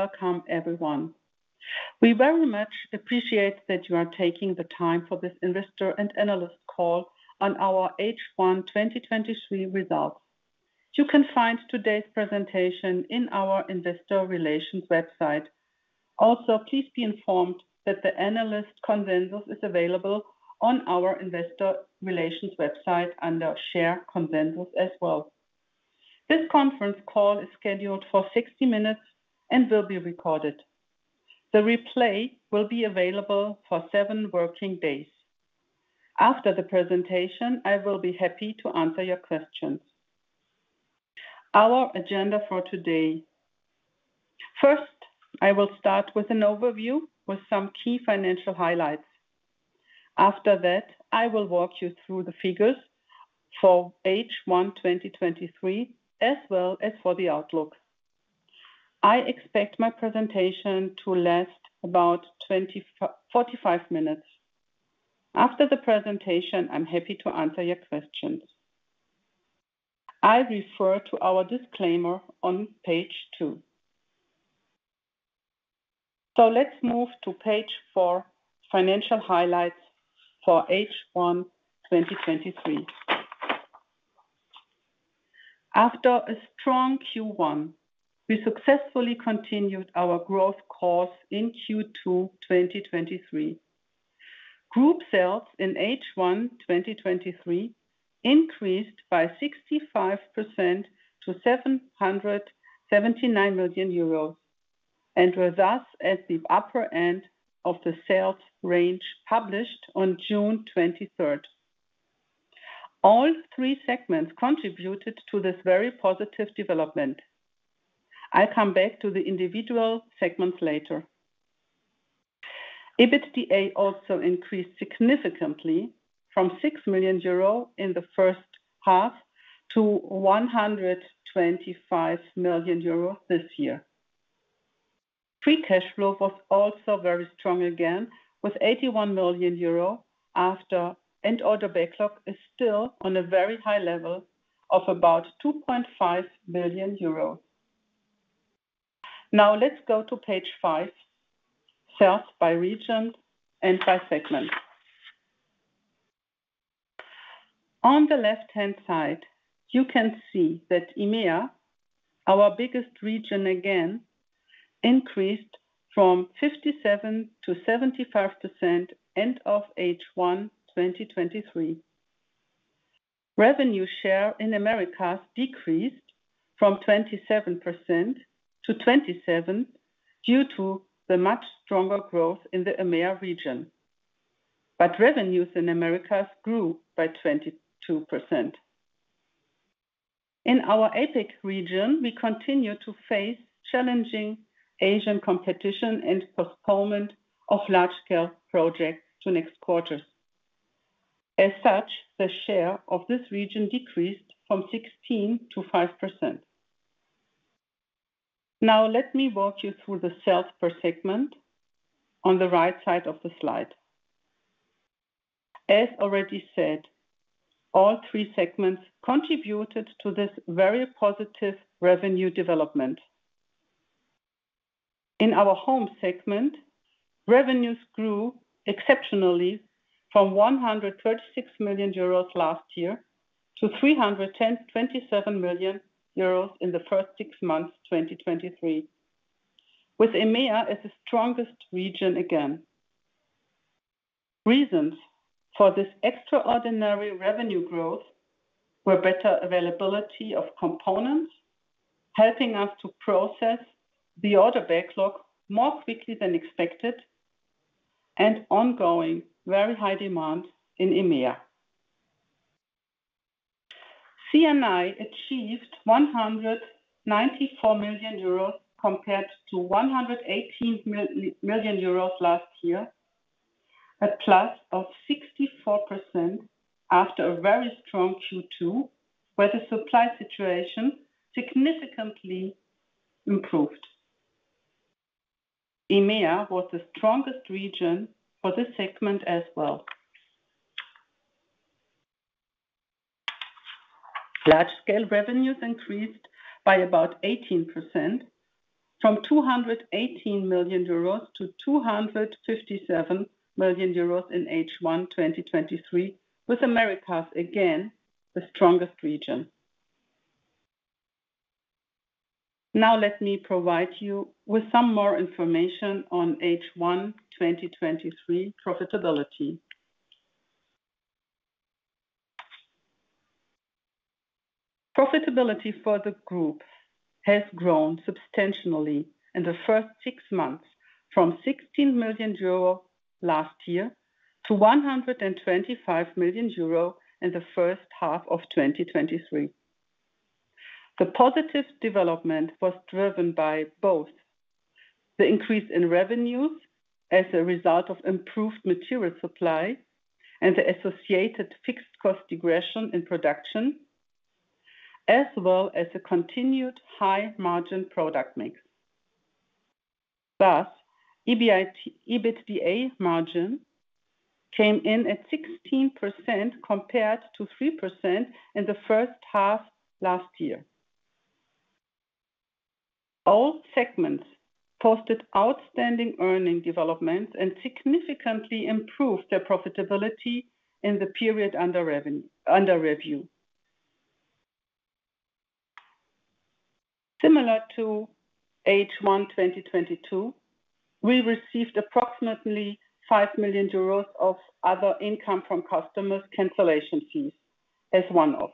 Welcome everyone. We very much appreciate that you are taking the time for this Investor and Analyst call on our first half 2023 results. You can find today's presentation in our investor relations website. Also, please be informed that the Analyst consensus is available on our investor relations website under Share Consensus as well. This conference call is scheduled for 60 minutes and will be recorded. The replay will be available for seven working days. After the presentation, I will be happy to answer your questions. Our agenda for today: first, I will start with an overview with some key financial highlights. After that, I will walk you through the figures for first half 2023, as well as for the outlook. I expect my presentation to last about 20-fi-- 45 minutes. After the presentation, I'm happy to answer your questions. I refer to our disclaimer on page two. Let's move to page four, financial highlights for first half 2023. After a strong Q1, we successfully continued our growth course in Q2 2023. Group sales in first half 2023 increased by 65% to 779 million euros, and were thus at the upper end of the sales range published on June 23rd. All three segments contributed to this very positive development. I'll come back to the individual segments later. EBITDA also increased significantly from 6 million euro in the first half to 125 million euro this year. Free cash flow was also very strong, again, with 81 million euro after, order backlog is still on a very high level of about 2.5 billion euros. Let's go to page five, Sales by Region and by Segment. On the left-hand side, you can see that EMEA, our biggest region again, increased from 57% to 75% end of first half 2023. Revenue share in Americas decreased from 27% to 27, due to the much stronger growth in the EMEA region. Revenues in Americas grew by 22%. In our APAC region, we continue to face challenging Asian competition and postponement of large-scale projects to next quarters. As such, the share of this region decreased from 16% to 5%. Let me walk you through the sales per segment on the right side of the slide. As already said, all three segments contributed to this very positive revenue development. In our Home segment, revenues grew exceptionally from 136 million euros last year to 327 million euros in the first six months 2023, with EMEA as the strongest region again. Reasons for this extraordinary revenue growth were better availability of components, helping us to process the order backlog more quickly than expected, and ongoing very high demand in EMEA. C&I achieved 194 million euros, compared to 118 million euros last year, a plus of 64% after a very strong Q2, where the supply situation significantly improved. EMEA was the strongest region for this segment as well. Large Scale revenues increased by about 18%, from 218 million euros to 257 million euros in first half 2023, with Americas again, the strongest region. Now, let me provide you with some more information on first half 2023 profitability. Profitability for the group has grown substantially in the first six months, from 16 million euro last year to 125 million euro in the first half of 2023. The positive development was driven by both the increase in revenues as a result of improved material supply and the associated fixed cost regression in production, as well as a continued high-margin product mix. EBITDA margin came in at 16% compared to 3% in the first half last year. All segments posted outstanding earning development and significantly improved their profitability in the period under review. Similar to first half 2022, we received approximately 5 million euros of other income from customers cancellation fees as one-off.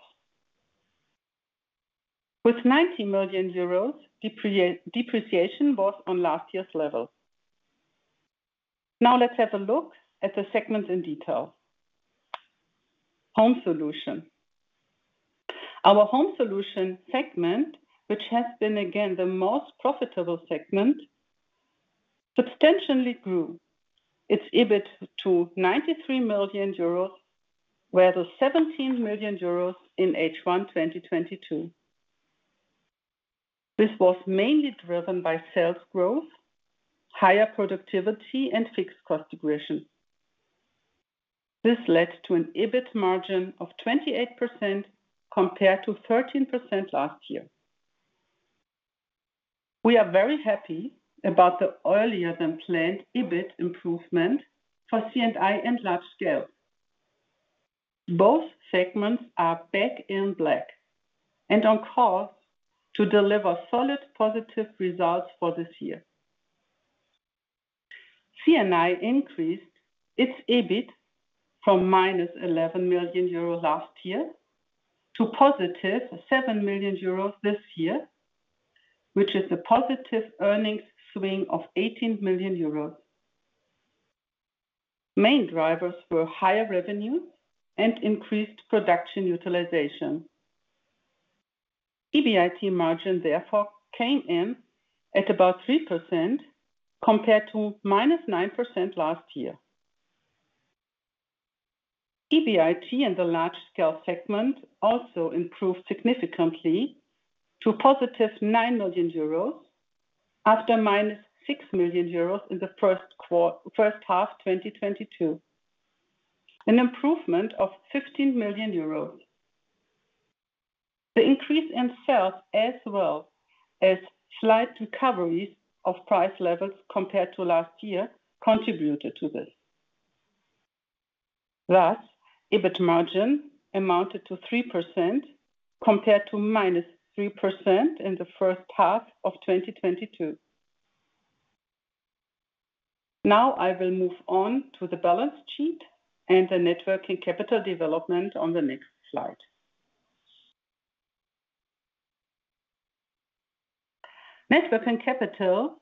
With 90 million euros, depreciation was on last year's level. Let's have a look at the segments in detail. Home Solutions. Our Home Solutions segment, which has been again, the most profitable segment, substantially grew its EBIT to 93 million euros, where the 17 million euros in first half 2022. This was mainly driven by sales growth, higher productivity, and fixed cost deflation. This led to an EBIT margin of 28%, compared to 13% last year. We are very happy about the earlier than planned EBIT improvement for C&I and Large Scale. Both segments are back in black and on course to deliver solid, positive results for this year. C&I increased its EBIT from minus 11 million euro last year to positive 7 million euros this year, which is a positive earnings swing of 18 million euros. Main drivers were higher revenues and increased production utilization. EBIT margin therefore, came in at about 3% compared to minus 9% last year. EBIT in the Large Scale segment also improved significantly to positive 9 million euros, after minus 6 million euros in the first half 2022, an improvement of 15 million euros. The increase in sales, as well as slight recoveries of price levels compared to last year, contributed to this. Thus, EBIT margin amounted to 3%, compared to -3% in the first half of 2022. Now, I will move on to the balance sheet and the net working capital development on the next slide. Net working capital,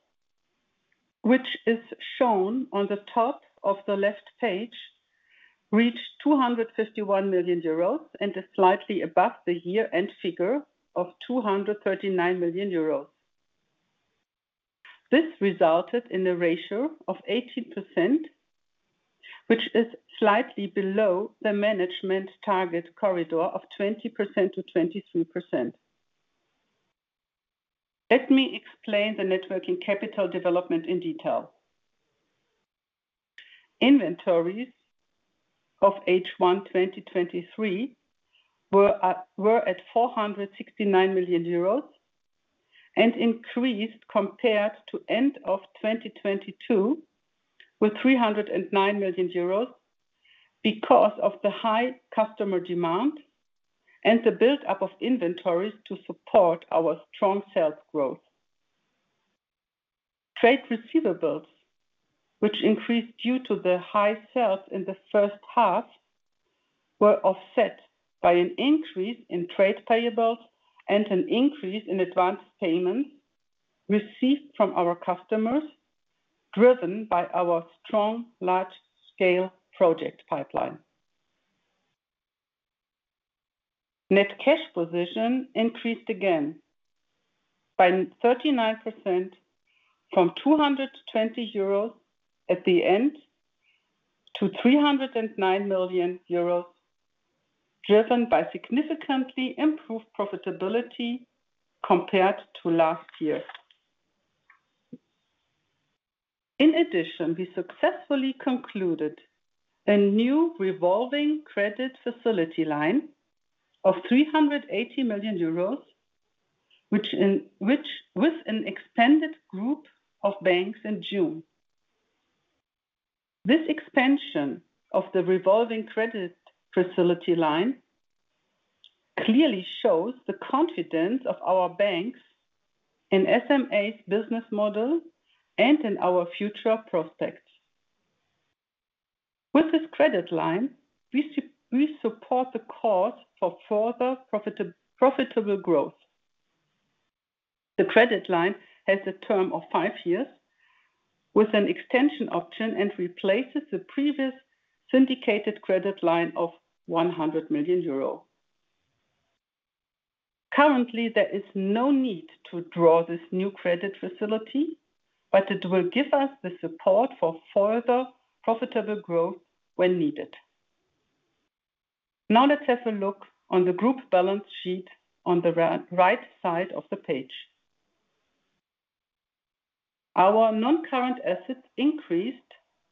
which is shown on the top of the left page, reached 251 million euros, and is slightly above the year-end figure of 239 million euros. This resulted in a ratio of 18%, which is slightly below the management target corridor of 20%-23%. Let me explain the net working capital development in detail. Inventories of first half 2023 were, were at 469 million euros, and increased compared to end of 2022, with 309 million euros, because of the high customer demand and the buildup of inventories to support our strong sales growth. Trade receivables, which increased due to the high sales in the first half, were offset by an increase in trade payables and an increase in advance payments received from our customers, driven by our strong large-scale project pipeline. Net cash position increased again by 39% from 220 euros at the end, to 309 million euros, driven by significantly improved profitability compared to last year. In addition, we successfully concluded a new revolving credit facility line of 380 million euros, which with an expanded group of banks in June. This expansion of the revolving credit facility line clearly shows the confidence of our banks in SMA's business model and in our future prospects. With this credit line, we support the cause for further profitable growth. The credit line has a term of five years, with an extension option, and replaces the previous syndicated credit line of 100 million euro. Currently, there is no need to draw this new credit facility, but it will give us the support for further profitable growth when needed. Now, let's have a look on the group balance sheet on the right side of the page. Our non-current assets increased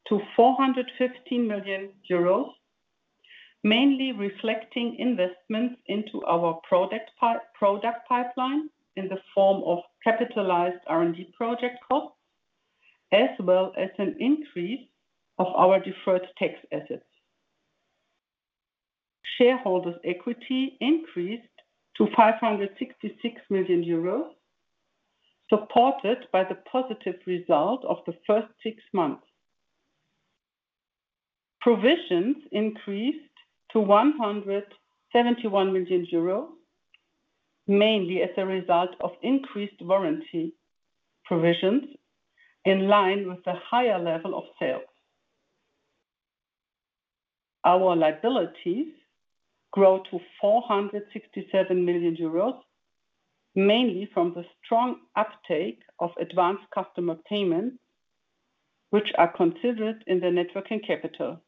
to 450 million euros, mainly reflecting investments into our product pipeline in the form of capitalized R&D project costs, as well as an increase of our deferred tax assets. Shareholders' equity increased to 566 million euros, supported by the positive result of the first six months. Provisions increased to 171 million euro, mainly as a result of increased warranty provisions in line with the higher level of sales. Our liabilities grow to 467 million euros, mainly from the strong uptake of advanced customer payments, which are considered in the net working capital.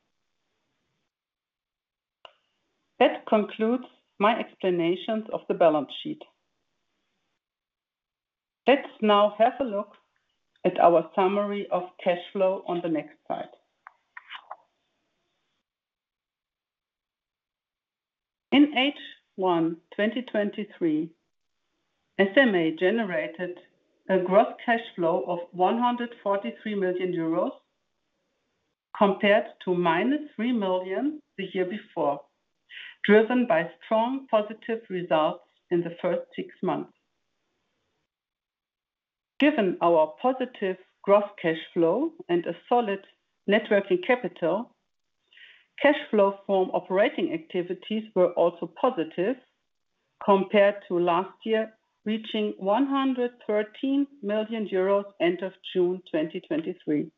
That concludes my explanations of the balance sheet. Let's now have a look at our summary of cash flow on the next slide. In first half 2023, SMA generated a gross cash flow of 143 million euros, compared to minus 3 million the year before, driven by strong positive results in the first six months. Given our positive gross cash flow and a solid net working capital, cash flow from operating activities were also positive compared to last year, reaching 113 million euros end of June 2023.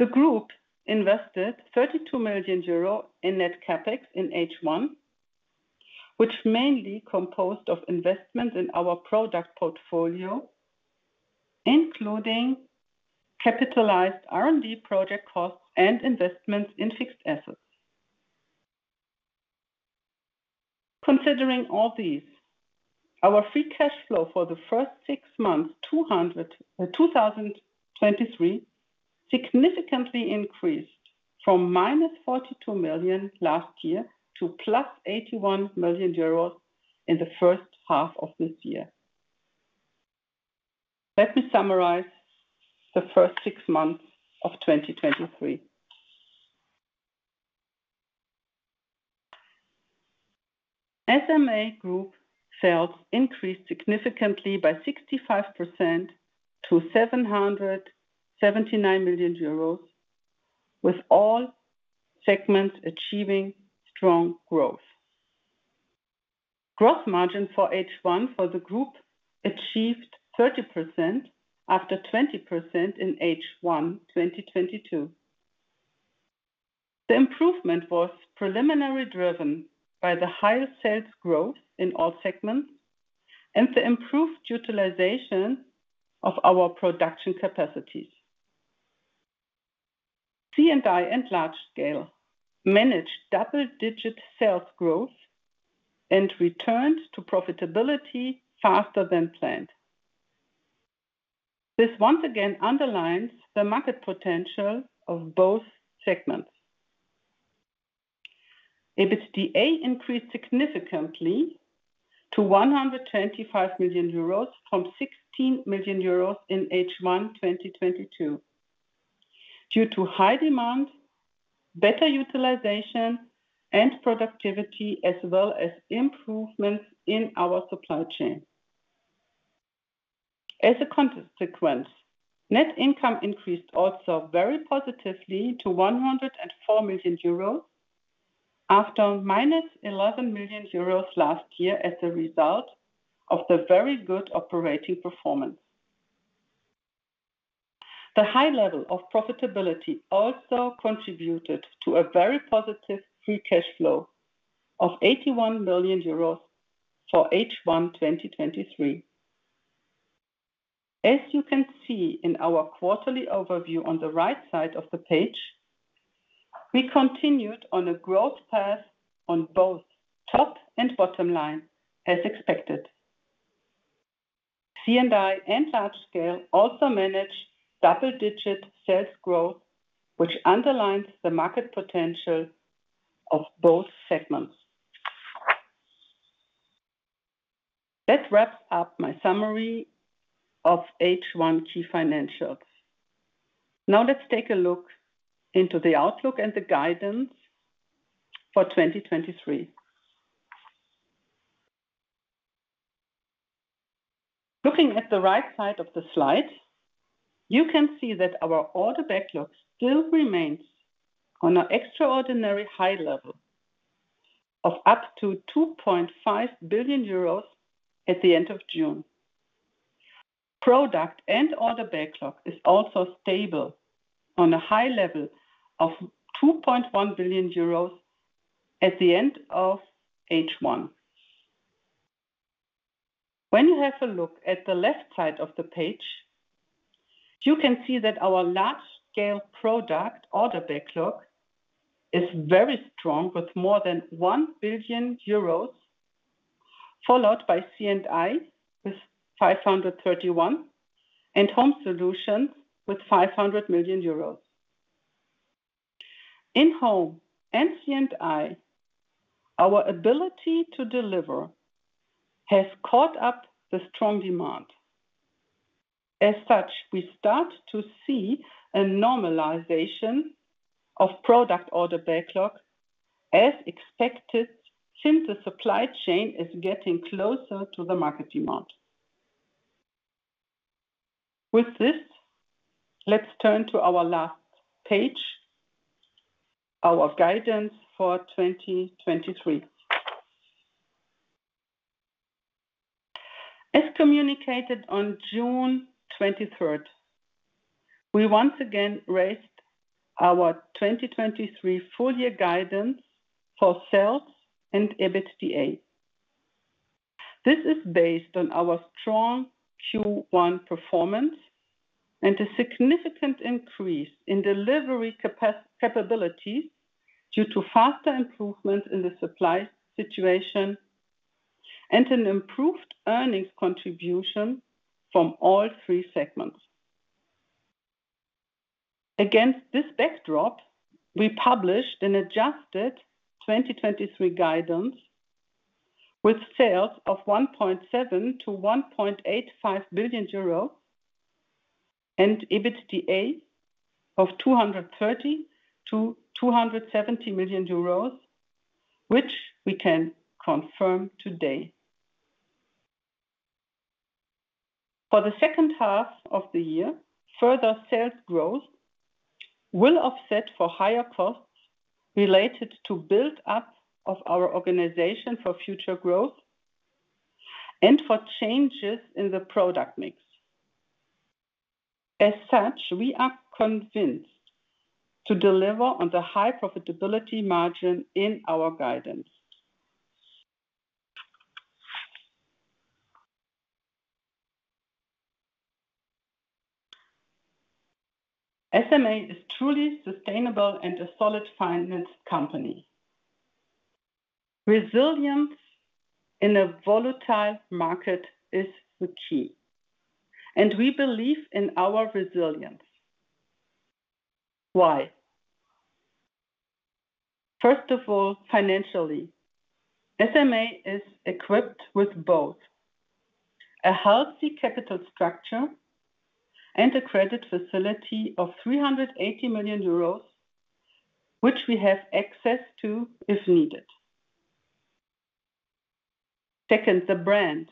The group invested 32 million euro in net CapEx in first half, which mainly composed of investments in our product portfolio, including capitalized R&D project costs and investments in fixed assets. Considering all these, our free cash flow for the first 6 months, 2023, significantly increased from -42 million last year to +81 million euros in the first half of this year. Let me summarize the first 6 months of 2023. SMA Group sales increased significantly by 65% to 779 million euros, with all segments achieving strong growth. Gross margin for first half for the group achieved 30%, after 20% in first half 2022. The improvement was preliminarily driven by the higher sales growth in all segments and the improved utilization of our production capacities. C&I and Large Scale managed double-digit sales growth and returned to profitability faster than planned. This once again underlines the market potential of both segments. EBITDA increased significantly to 125 million euros, from 16 million euros in first half 2022, due to high demand, better utilization and productivity, as well as improvements in our supply chain. As a consequence, net income increased also very positively to 104 million euros, after -11 million euros last year, as a result of the very good operating performance. The high level of profitability also contributed to a very positive free cash flow of 81 million euros for first half 2023. As you can see in our quarterly overview on the right side of the page, we continued on a growth path on both top and bottom line, as expected. C&I and Large Scale also managed double-digit sales growth, which underlines the market potential of both segments. That wraps up my summary of first half key financials. Now let's take a look into the outlook and the guidance for 2023. Looking at the right side of the slide, you can see that our order backlog still remains on an extraordinary high level of up to 2.5 billion euros at the end of June. Product and order backlog is also stable on a high level of 2.1 billion euros at the end of first half. When you have a look at the left side of the page. You can see that our large scale product order backlog is very strong, with more than 1 billion euros, followed by C&I with 531 million, and Home Solutions with 500 million euros. In Home and C&I, our ability to deliver has caught up the strong demand. As such, we start to see a normalization of product order backlog as expected, since the supply chain is getting closer to the market demand. With this, let's turn to our last page, our guidance for 2023. As communicated on June 23rd, we once again raised our 2023 full year guidance for sales and EBITDA. This is based on our strong Q1 performance and a significant increase in delivery capabilities, due to faster improvements in the supply situation and an improved earnings contribution from all three segments. Against this backdrop, we published an adjusted 2023 guidance, with sales of 1.7 billion-1.85 billion euro and EBITDA of 230 million-270 million euros, which we can confirm today. For the second half of the year, further sales growth will offset for higher costs related to build up of our organization for future growth and for changes in the product mix. As such, we are convinced to deliver on the high profitability margin in our guidance. SMA is truly sustainable and a solid finance company. Resilience in a volatile market is the key, and we believe in our resilience. Why? First of all, financially, SMA is equipped with both a healthy capital structure and a credit facility of 380 million euros, which we have access to if needed. Second, the brand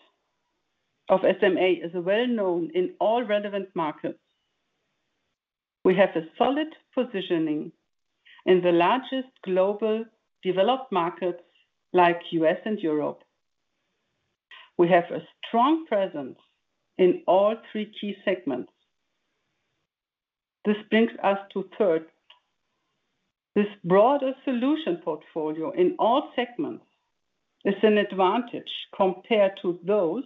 of SMA is well known in all relevant markets. We have a solid positioning in the largest global developed markets, like U.S. and Europe. We have a strong presence in all three key segments. This brings us to third. This broader solution portfolio in all segments is an advantage compared to those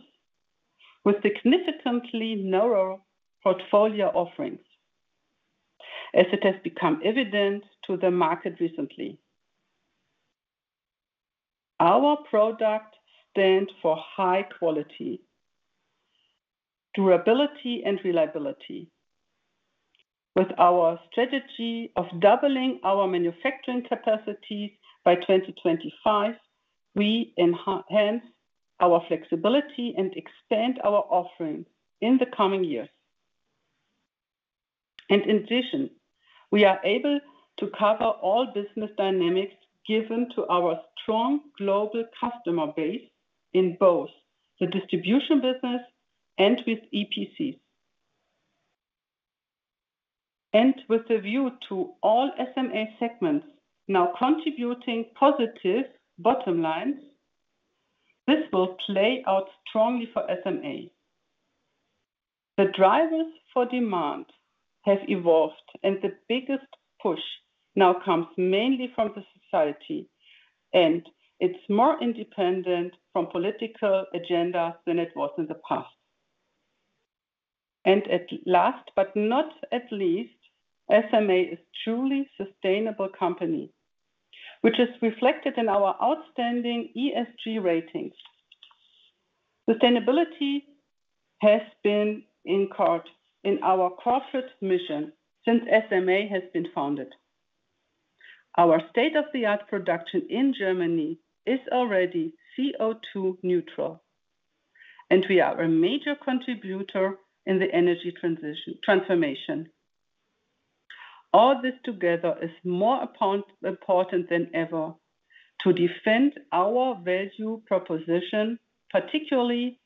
with significantly narrower portfolio offerings, as it has become evident to the market recently. Our product stand for high quality, durability, and reliability. With our strategy of doubling our manufacturing capacities by 2025, we enhance our flexibility and expand our offerings in the coming years. In addition, we are able to cover all business dynamics given to our strong global customer base in both the distribution business and with EPCs. With the view to all SMA segments now contributing positive bottom lines, this will play out strongly for SMA. The drivers for demand have evolved, the biggest push now comes mainly from the society, and it's more independent from political agenda than it was in the past. At last, but not at least, SMA is truly sustainable company, which is reflected in our outstanding ESG ratings. Sustainability has been incurred in our corporate mission since SMA has been founded. Our state-of-the-art production in Germany is already CO2-neutral, we are a major contributor in the energy transition-- transformation. All this together is more important than ever to defend our value proposition, particularly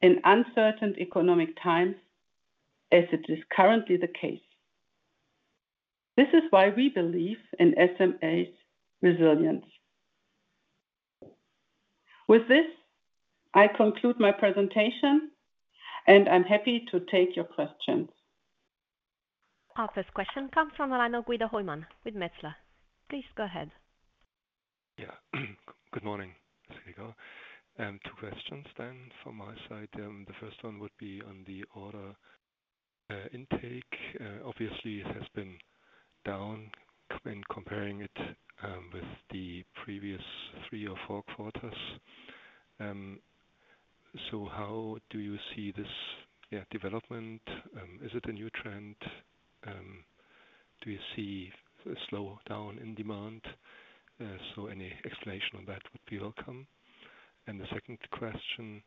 in uncertain economic times, as it is currently the case. This is why we believe in SMA's resilience. With this, I conclude my presentation, I'm happy to take your questions. Our first question comes from the line of Guido Hoymann with Metzler. Please go ahead. Yeah. Good morning, Silke. Two questions then from my side. The first one would be on the order intake. Obviously, it has been down when comparing it with the previous three or four quarters. How do you see this, yeah, development? Is it a new trend? Do you see a slowdown in demand? Any explanation on that would be welcome. The second question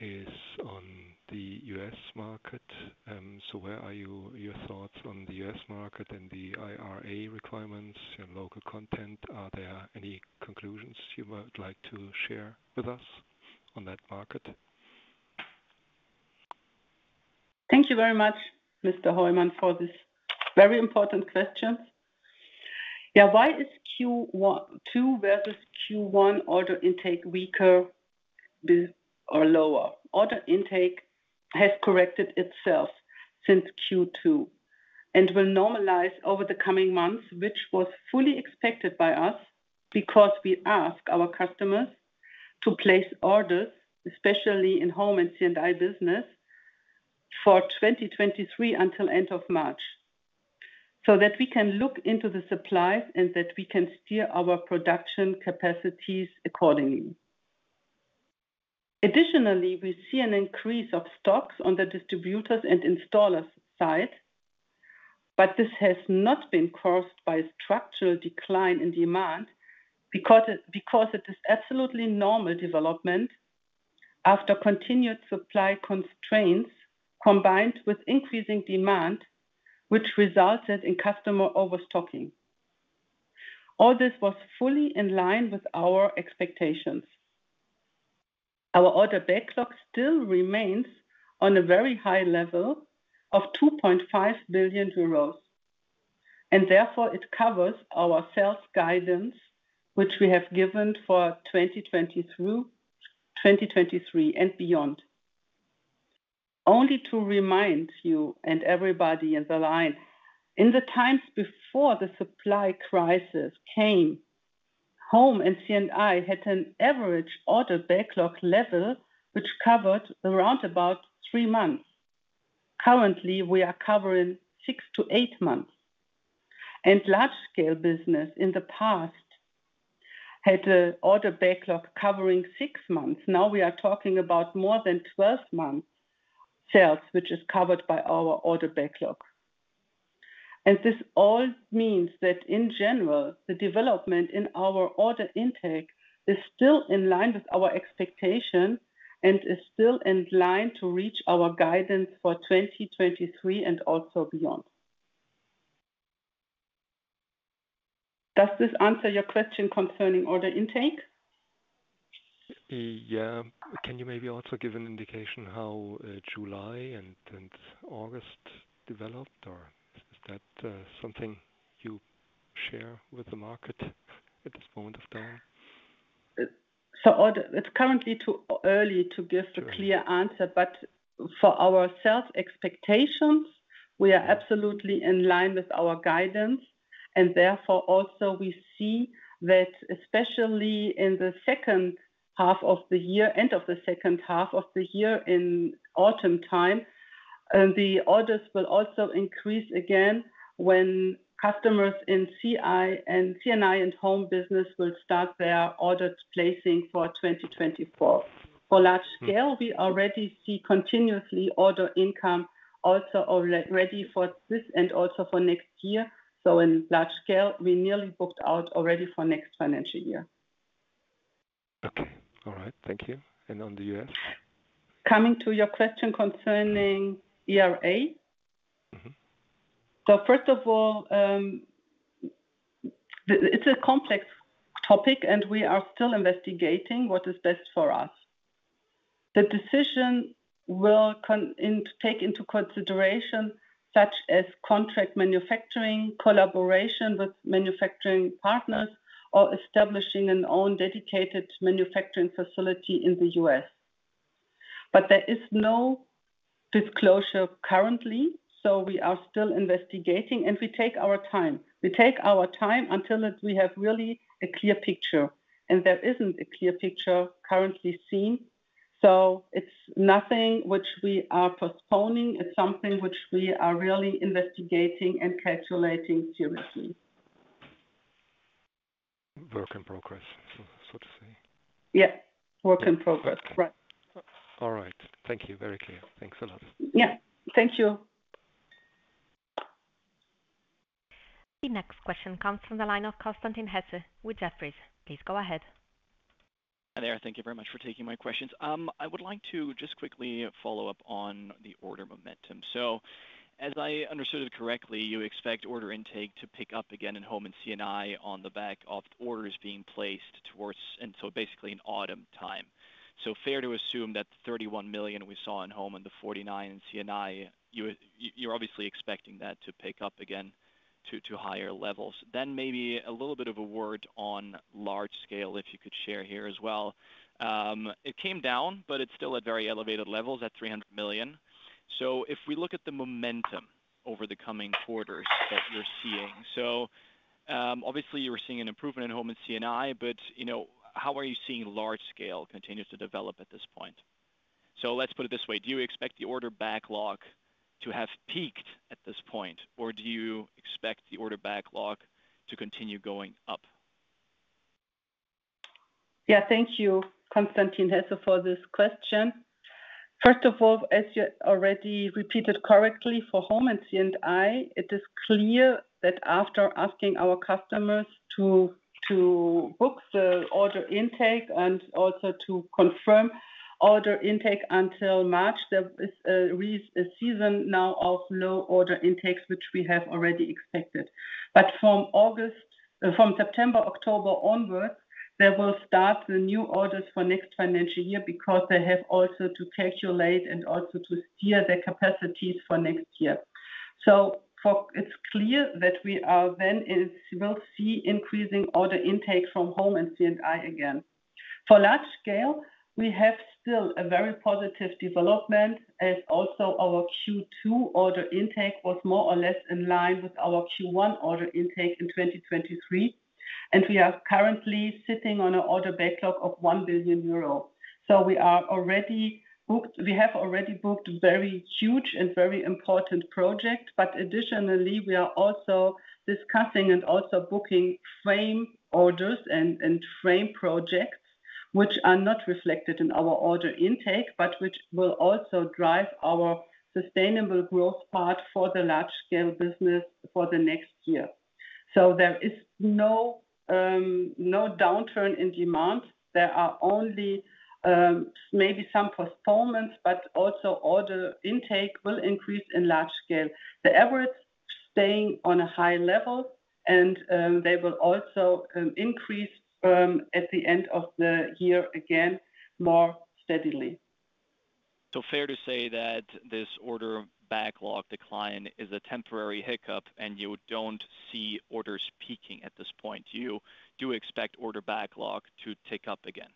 is on the US Market. Where are you-- your thoughts on the U.S. Market and the IRA requirements and local content? Are there any conclusions you would like to share with us on that market? Thank you very much, Mr. Hoymann, for this very important questions. Yeah, why is Q2 vs. Q1 order intake weaker with or lower? Order intake has corrected itself since Q2 and will normalize over the coming months, which was fully expected by us because we ask our customers to place orders, especially in Home and C&I business, for 2023 until end of March, so that we can look into the supplies and that we can steer our production capacities accordingly. We see an increase of stocks on the distributors and installers side, but this has not been caused by a structural decline in demand, because it is absolutely normal development after continued supply constraints, combined with increasing demand, which resulted in customer overstocking. All this was fully in line with our expectations. Our order backlog still remains on a very high level of 2.5 billion euros, and therefore it covers our sales guidance, which we have given for 2020-2023 and beyond. Only to remind you and everybody in the line, in the times before the supply crisis came, Home and C&I had an average order backlog level, which covered around about three months. Currently, we are covering six to eight months, and Large Scale business in the past had a order backlog covering six months. Now we are talking about more than 12 months sales, which is covered by our order backlog. This all means that in general, the development in our order intake is still in line with our expectation and is still in line to reach our guidance for 2023 and also beyond. Does this answer your question concerning order intake? Yeah. Can you maybe also give an indication how July and August developed, or is that something you share with the market at this point of time? It's currently too early to give a clear answer. Sure. For our sales expectations, we are absolutely in line with our guidance, and therefore, also, we see that especially in the second half of the year, end of the second half of the year, in autumn time, the orders will also increase again when customers in C&I and Home business will start their orders placing for 2024. For Large Scale, we already see continuously order income also ready for this and also for next year. In Large Scale, we nearly booked out already for next financial year. Okay. All right. Thank you. On the U.S.? Coming to your question concerning IRA. Mm-hmm. First of all, it's a complex topic, and we are still investigating what is best for us. The decision will take into consideration, such as contract manufacturing, collaboration with manufacturing partners, or establishing an own dedicated manufacturing facility in the U.S.. There is no disclosure currently, so we are still investigating, and we take our time. We take our time until we have really a clear picture, and there isn't a clear picture currently seen. It's nothing which we are postponing, it's something which we are really investigating and calculating seriously. Work in progress, so, so to say. Yeah. Work in progress. Okay. Right. All right. Thank you. Very clear. Thanks a lot. Yeah. Thank you. The next question comes from the line of Konstantin Hesse with Jefferies. Please go ahead. Hi, there. Thank you very much for taking my questions. I would like to just quickly follow up on the order momentum. As I understood it correctly, you expect order intake to pick up again in Home and C&I on the back of orders being placed towards... and so basically in autumn time. Fair to assume that the 31 million we saw in Home and the 49 million in C&I, you, you're obviously expecting that to pick up again to, to higher levels. Maybe a little bit of a word on Large Scale, if you could share here as well. It came down, but it's still at very elevated levels at 300 million. If we look at the momentum over the coming quarters that you're seeing. Obviously, you were seeing an improvement in home and C&I, but, you know, how are you seeing large scale continue to develop at this point? Let's put it this way: do you expect the order backlog to have peaked at this point, or do you expect the order backlog to continue going up? Yeah, thank you, Constantin Hesse, for this question. First of all, as you already repeated correctly, for home and C&I, it is clear that after asking our customers to, to book the order intake and also to confirm order intake until March, there is a season now of low order intakes, which we have already expected. From August, from September, October onwards, they will start the new orders for next financial year because they have also to calculate and also to steer their capacities for next year. It's clear that we are then, will see increasing order intake from home and C&I again. For Large Scale, we have still a very positive development, as also our Q2 order intake was more or less in line with our Q1 order intake in 2023, and we are currently sitting on an order backlog of 1 billion euros. We are already booked. We have already booked very huge and very important project, but additionally, we are also discussing and also booking frame orders and, and frame projects, which are not reflected in our order intake, but which will also drive our sustainable growth part for the Large Scale business for the next year. There is no, no downturn in demand. There are only maybe some postponements, but also order intake will increase in Large Scale. The average staying on a high level, and they will also increase at the end of the year, again, more steadily. Fair to say that this order backlog decline is a temporary hiccup, and you don't see orders peaking at this point. You do expect order backlog to tick up again?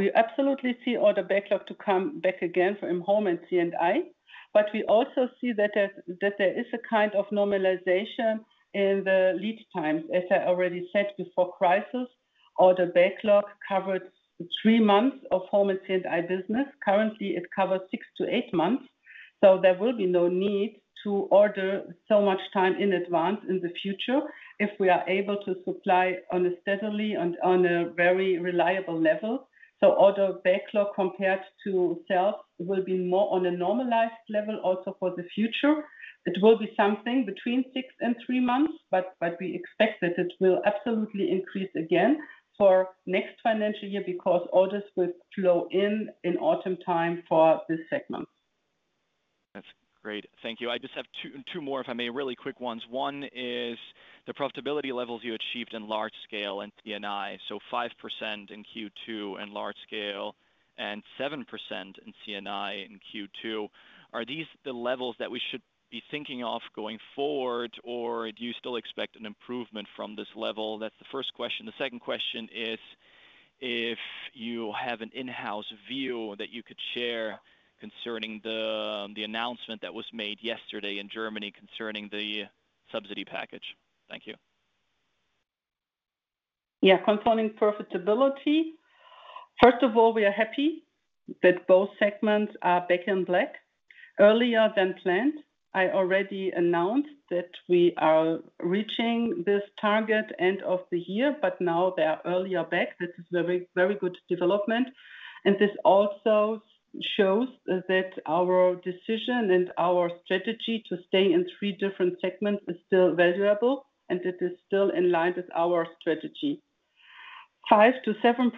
We absolutely see order backlog to come back again from home and C&I, but we also see that there is a kind of normalization in the lead times. As I already said, before crisis, order backlog covered 3 months of home and C&I business. Currently, it covers six to eight months, there will be no need to order so much time in advance in the future if we are able to supply on a steadily and on a very reliable level. Order backlog compared to sales will be more on a normalized level also for the future. It will be something between 6 and 3 months, but we expect that it will absolutely increase again for next financial year because orders will flow in in autumn time for this segment. That's great. Thank you. I just have two, two more, if I may. Really quick ones. One is the profitability levels you achieved in Large Scale and C&I. 5% in Q2 in Large Scale and 7% in C&I in Q2. Are these the levels that we should be thinking of going forward, or do you still expect an improvement from this level? That's the first question. The second question is, if you have an in-house view that you could share concerning the, the announcement that was made yesterday in Germany concerning the subsidy package. Thank you. Concerning profitability, first of all, we are happy that both segments are back in black earlier than planned. I already announced that we are reaching this target end of the year, but now they are earlier back. That is a very, very good development, and this also shows that our decision and our strategy to stay in three different segments is still valuable, and it is still in line with our strategy. 5%-7%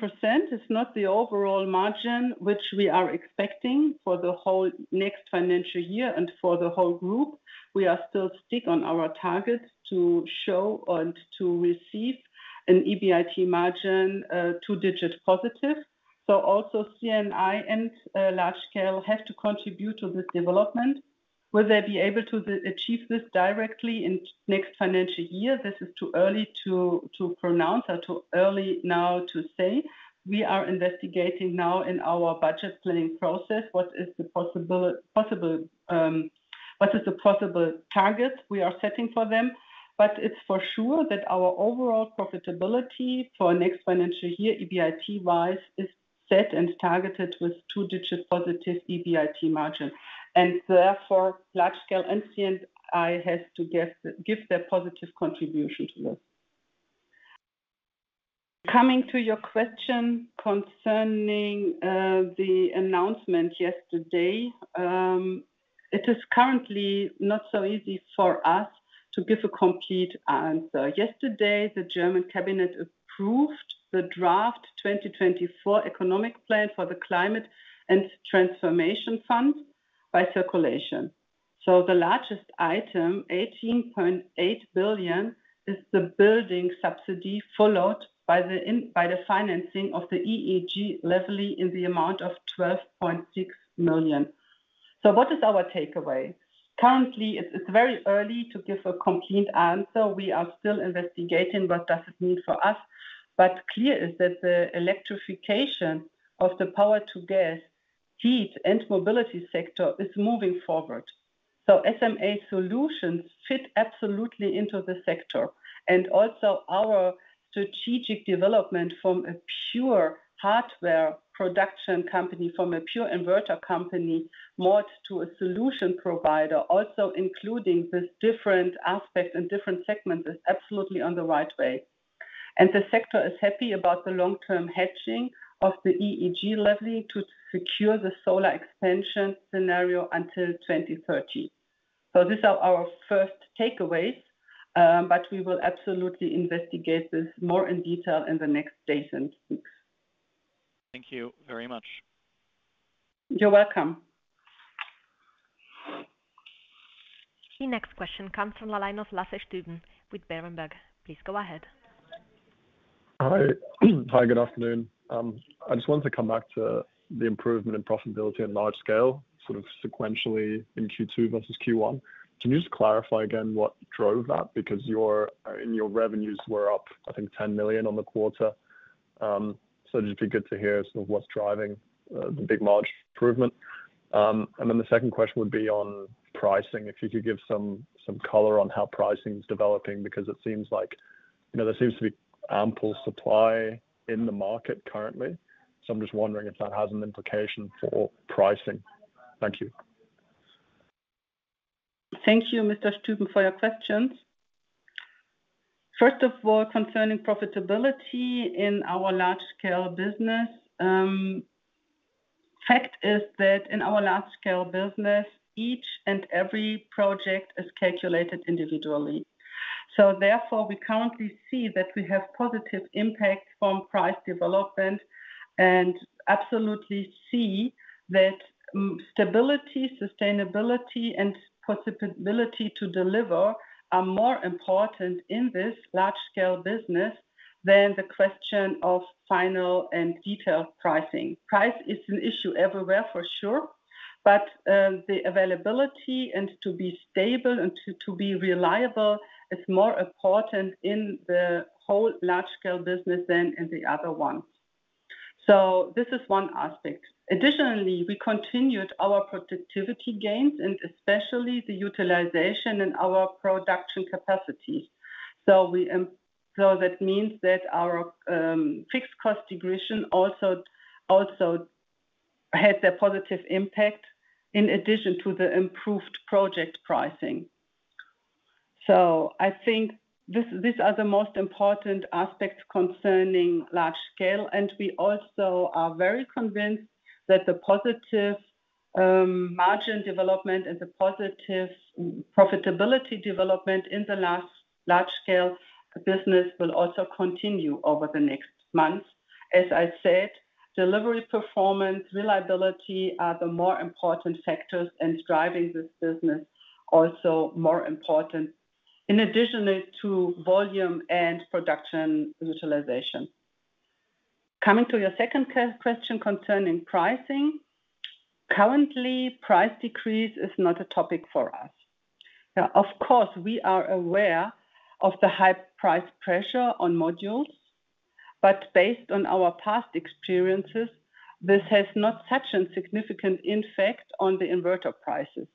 is not the overall margin which we are expecting for the whole next financial year and for the whole group. We are still stick on our targets to show and to receive an EBIT margin, two-digit positive. Also C&I and Large Scale have to contribute to this development. Will they be able to the achieve this directly in next financial year? This is too early to, to pronounce or too early now to say. We are investigating now in our budget planning process, what is the possible targets we are setting for them? It's for sure that our overall profitability for next financial year, EBIT-wise, is set and targeted with two-digit positive EBIT margin, and therefore, Large Scale and C&I has to get, give their positive contribution to this. Coming to your question concerning the announcement yesterday, it is currently not so easy for us to give a complete answer. Yesterday, the German cabinet approved the draft 2024 economic plan for the Climate and Transformation Fund by circulation. The largest item, 18.8 billion, is the building subsidy, followed by the financing of the EEG levy in the amount of 12.6 million. What is our takeaway? Currently, it's very early to give a complete answer. We are still investigating what does it mean for us, but clear is that the electrification of the Power-to-Gas, heat, and mobility sector is moving forward. SMA solutions fit absolutely into the sector, and also our strategic development from a pure hardware production company, from a pure inverter company, more to a solution provider, also including this different aspect and different segments, is absolutely on the right way. The sector is happy about the long-term hedging of the EEG level to secure the solar expansion scenario until 2030. These are our first takeaways, but we will absolutely investigate this more in detail in the next days and weeks. Thank you very much. You're welcome. The next question comes from the line of Lasse Stubbe with Berenberg. Please go ahead. Hi. Hi, good afternoon. I just wanted to come back to the improvement in profitability on Large Scale, sort of sequentially in Q2 versus Q1. Can you just clarify again what drove that? Because your revenues were up, I think, 10 million on the quarter. It'd just be good to hear sort of what's driving the big, large improvement. And then the second question would be on pricing, if you could give some, some color on how pricing is developing, because it seems like, you know, there seems to be ample supply in the market currently. I'm just wondering if that has an implication for pricing. Thank you. Thank you, Mr. Stubbe, for your questions. First of all, concerning profitability in our Large Scale business, fact is that in our Large Scale business, each and every project is calculated individually. Therefore, we currently see that we have positive impact from price development, and absolutely see that stability, sustainability, and possibility to deliver are more important in this Large Scale business than the question of final and detailed pricing. Price is an issue everywhere, for sure, but the availability and to be stable and to be reliable is more important in the whole Large Scale business than in the other ones. This is one aspect. Additionally, we continued our productivity gains and especially the utilization in our production capacity. That means that our fixed cost degression also, also had a positive impact in addition to the improved project pricing. I think these are the most important aspects concerning Large Scale, and we also are very convinced that the positive margin development and the positive profitability development in the last Large Scale business will also continue over the next months. As I said, delivery, performance, reliability are the more important factors in driving this business, also more important in additionally to volume and production utilization. Coming to your second question concerning pricing, currently, price decrease is not a topic for us. Of course, we are aware of the high price pressure on modules, but based on our past experiences, this has not such a significant impact on the inverter prices.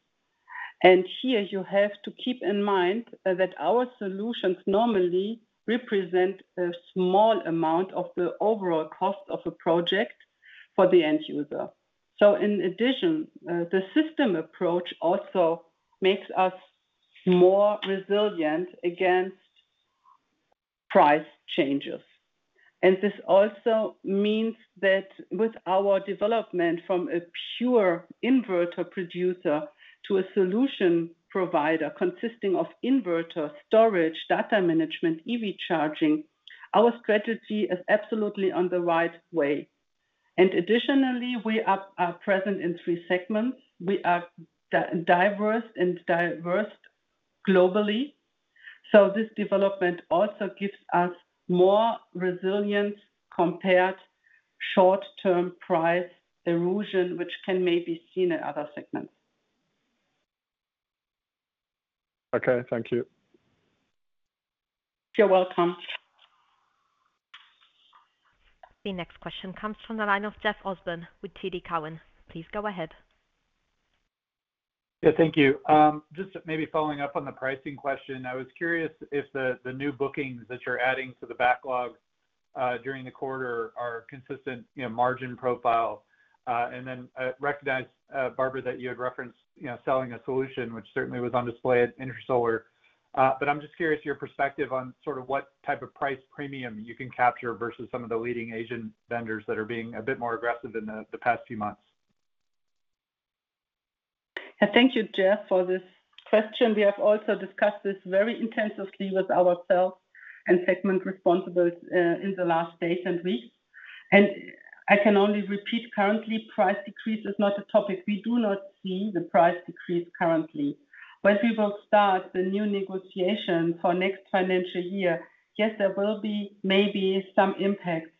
Here, you have to keep in mind that our solutions normally represent a small amount of the overall cost of a project for the end user. In addition, the system approach also makes us more resilient against price changes. This also means that with our development from a pure inverter producer to a solution provider consisting of inverter, storage, data management, EV charging, our strategy is absolutely on the right way. Additionally, we are present in three segments. We are diverse and diversed globally, this development also gives us more resilience compared short-term price erosion, which can may be seen in other segments. Okay, thank you. You're welcome. The next question comes from the line of Jeffrey Osborne with TD Cowen. Please go ahead. Yeah, thank you. Just maybe following up on the pricing question, I was curious if the new bookings that you're adding to the backlog during the quarter are consistent, you know, margin profile. Then, I recognize Barbara, that you had referenced, you know, selling a solution, which certainly was on display at Intersolar. I'm just curious your perspective on sort of what type of price premium you can capture versus some of the leading Asian vendors that are being a bit more aggressive in the past few months. Thank you, Jeff, for this question. We have also discussed this very intensively with ourselves and segment responsibles in the last days and weeks. I can only repeat, currently, price decrease is not a topic. We do not see the price decrease currently. When we will start the new negotiation for next financial year, yes, there will be maybe some impacts.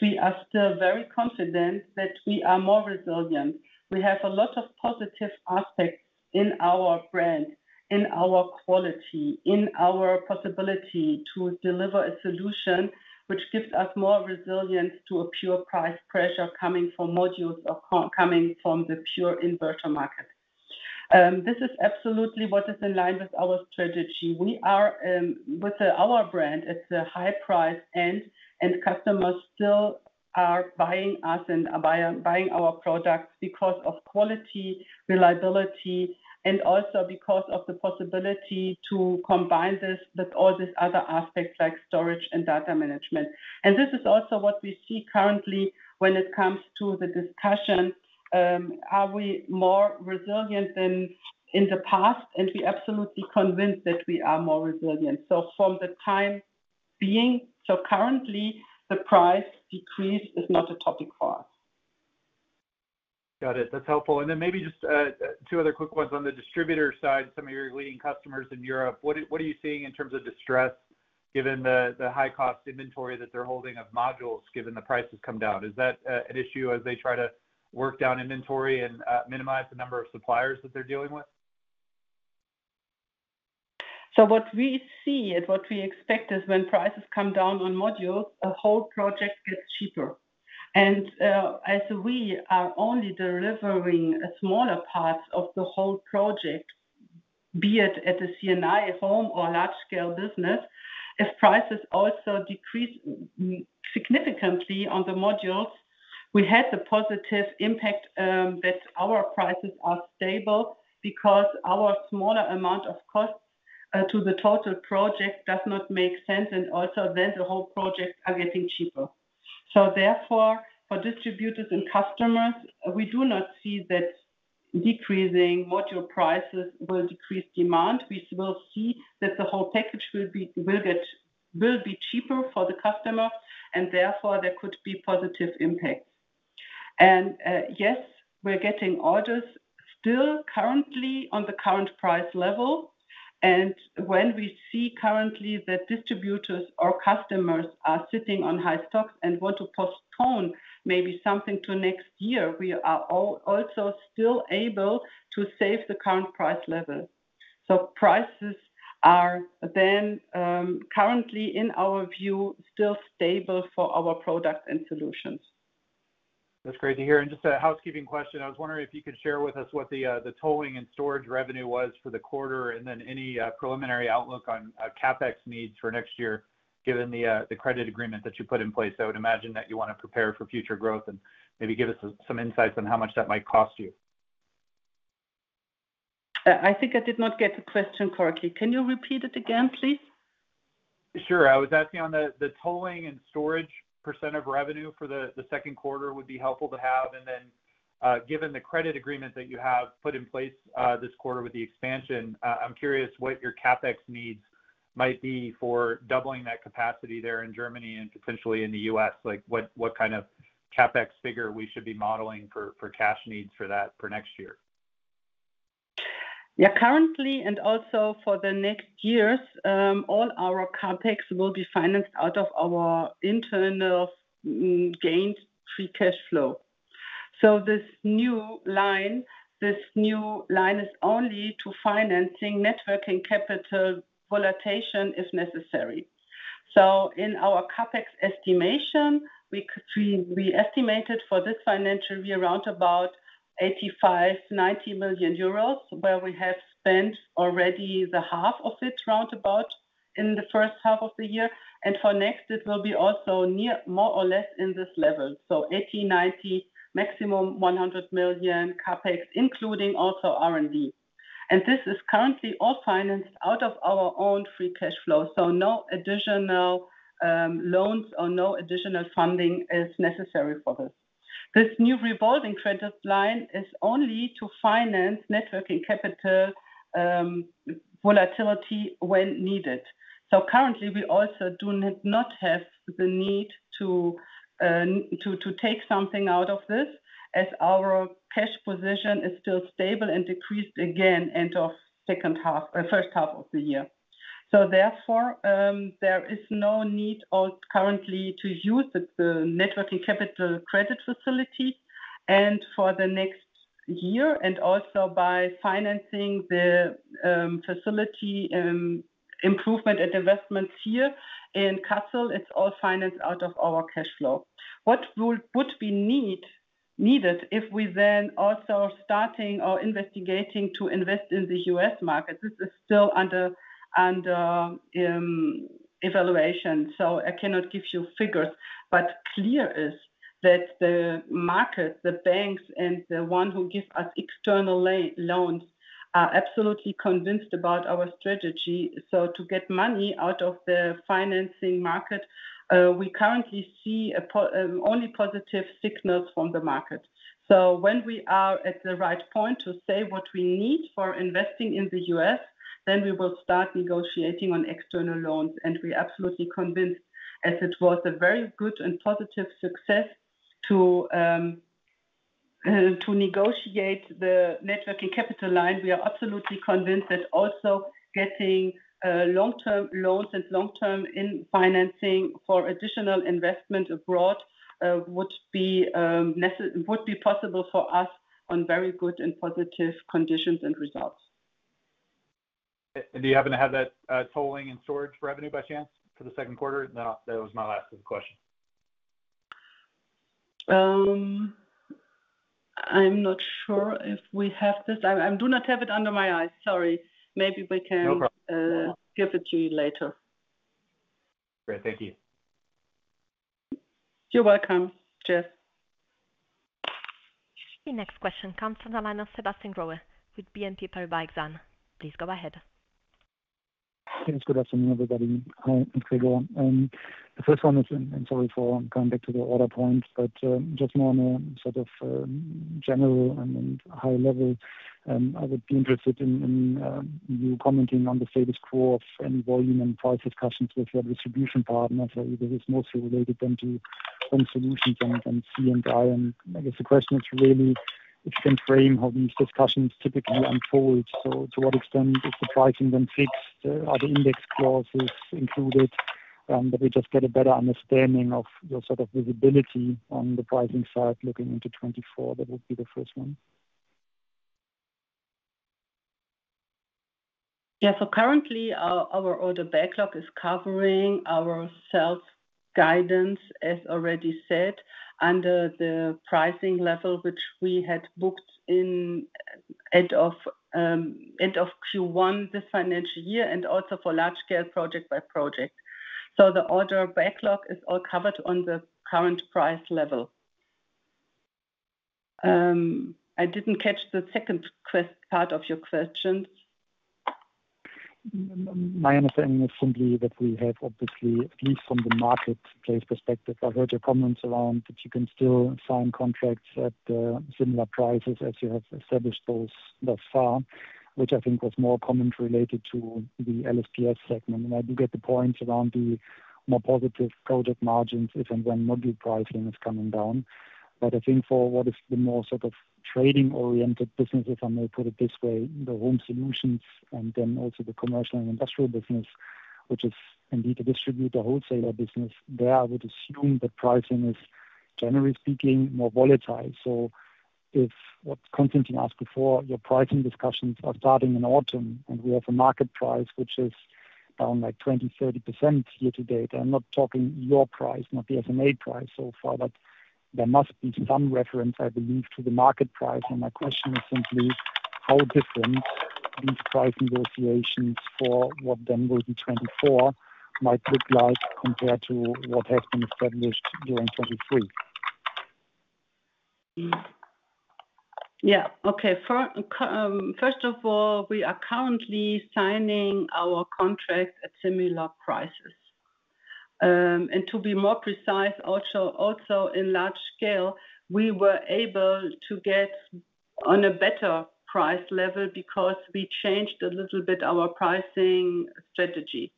We are still very confident that we are more resilient. We have a lot of positive aspects in our brand, in our quality, in our possibility to deliver a solution which gives us more resilience to a pure price pressure coming from modules or coming from the pure inverter market. This is absolutely what is in line with our strategy. We are with our brand, it's a high price, and customers still are buying us and buying our products because of quality, reliability, and also because of the possibility to combine this with all these other aspects like storage and data management. This is also what we see currently when it comes to the discussion, are we more resilient than in the past? We're absolutely convinced that we are more resilient. From the time being, so currently, the price decrease is not a topic for us. Got it. That's helpful. Then maybe just two other quick ones. On the distributor side, some of your leading customers in Europe, what are, what are you seeing in terms of distress, given the, the high cost inventory that they're holding of modules, given the prices come down? Is that an issue as they try to work down inventory and minimize the number of suppliers that they're dealing with? What we see and what we expect is when prices come down on modules, a whole project gets cheaper. As we are only delivering a smaller part of the whole project, be it at a C&I home or large scale business, if prices also decrease significantly on the modules, we have the positive impact that our prices are stable because our smaller amount of costs to the total project does not make sense, and also then the whole project are getting cheaper. Therefore, for distributors and customers, we do not see that decreasing module prices will decrease demand. We will see that the whole package will get cheaper for the customer, and therefore, there could be positive impact. Yes, we're getting orders still currently on the current price level, and when we see currently that distributors or customers are sitting on high stocks and want to postpone maybe something to next year, we are also still able to save the current price level. Prices are then, currently, in our view, still stable for our products and solutions. That's great to hear. Just a housekeeping question. I was wondering if you could share with us what the towing and storage revenue was for the quarter, and then any preliminary outlook on CapEx needs for next year, given the credit agreement that you put in place. I would imagine that you want to prepare for future growth and maybe give us some, some insights on how much that might cost you. I think I did not get the question correctly. Can you repeat it again, please? Sure. I was asking on the towing and storage % of revenue for the second quarter would be helpful to have. Given the credit agreement that you have put in place this quarter with the expansion, I'm curious what your CapEx needs might be for doubling that capacity there in Germany and potentially in the U.S.. Like, what kind of CapEx figure we should be modeling for cash needs for that for next year? Currently, and also for the next years, all our CapEx will be financed out of our internal gained free cash flow. This new line, this new line is only to financing net working capital volatility if necessary. In our CapEx estimation, we estimated for this financial year around about 85 million-90 million euros, where we have spent already the half of it, roundabout, in the first half of the year. For next, it will be also near, more or less in this level. 80 million-90 million, maximum 100 million CapEx, including also R&D. This is currently all financed out of our own free cash flow, so no additional loans or no additional funding is necessary for this. This new revolving credit line is only to finance net working capital volatility when needed. Currently, we also do not have the need to take something out of this, as our cash position is still stable and decreased again end of first half of the year. Therefore, there is no need at currently to use the net working capital credit facility. For the next year, also by financing the facility improvement and investments here in Kassel, it's all financed out of our cash flow. What would be needed if we then also starting or investigating to invest in the U.S. market, this is still under evaluation. I cannot give you figures, but clear is that the market, the banks, and the one who give us external loans are absolutely convinced about our strategy. to get money out of the financing market, we currently see only positive signals from the market. When we are at the right point to say what we need for investing in the US, then we will start negotiating on external loans, and we're absolutely convinced, as it was a very good and positive success to negotiate the net working capital line, we are absolutely convinced that also getting long-term loans and long-term in financing for additional investment abroad, would be possible for us on very good and positive conditions and results. Do you happen to have that tolling and storage revenue by chance for the second quarter? No, that was my last question. I'm not sure if we have this. I, I do not have it under my eyes. Sorry. Maybe we can- No problem. give it to you later. Great. Thank you. You're welcome, Jeff. The next question comes from the line of Sebastian Growe with BNP Paribas Exane. Please go ahead. Thanks. Good afternoon, everybody. Hi, it's Gregor. The first one is, and sorry for coming back to the order point, but just more on a sort of general and high level, I would be interested in you commenting on the sales growth and volume and price discussions with your distribution partners. This is mostly related then to Home Solutions and C&I. I guess the question is really, if you can frame how these discussions typically unfold, so to what extent is the pricing then fixed? Are the index clauses included? That we just get a better understanding of your sort of visibility on the pricing side, looking into 2024. That would be the first one. Yeah. Currently, our, our order backlog is covering our self-guidance, as already said, under the pricing level, which we had booked in end of, end of Q1 this financial year, and also for large scale project by project. The order backlog is all covered on the current price level. I didn't catch the second part of your question. My understanding is simply that we have obviously, at least from the marketplace perspective, I heard your comments around, that you can still sign contracts at similar prices as you have established those thus far, which I think was more comment related to the LSPS segment. I do get the point around the more positive project margins, if and when module pricing is coming down. I think for what is the more sort of trading-oriented businesses, if I may put it this way, the Home Solutions, and then also the Commercial and Industrial business, which is indeed a distributor, wholesaler business, there I would assume the pricing is, generally speaking, more volatile. If what Constantin asked before, your pricing discussions are starting in autumn, and we have a market price which is down by 20%-30% year to date. I'm not talking your price, not the SMA price so far, but there must be some reference, I believe, to the market price. My question is simply, how different these price negotiations for what then will be 2024 might look like compared to what has been established during 2023? Yeah. Okay. First of all, we are currently signing our contract at similar prices. To be more precise, also, also in Large Scale, we were able to get on a better price level because we changed a little bit our pricing strategy.